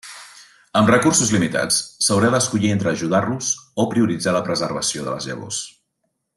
Amb recursos limitats, s'haurà d'escollir entre ajudar-los o prioritzar la preservació de les llavors.